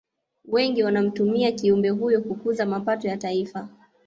Wengi wanamtumia kiumbe huyo kukuza mapato ya taifa